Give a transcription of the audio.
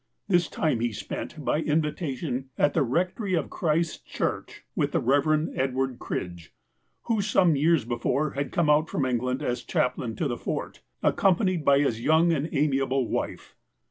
This time he spent, by invitation, at the rectory of Christ's Church, with the Eev. Edward Cridge, who, some years before, had come out from England as chaplain to the Fort, accompanied by his young and amiable wife.